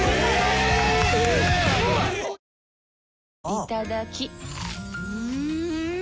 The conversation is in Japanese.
いただきっ！